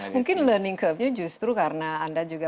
mungkin learning curve nya justru karena anda juga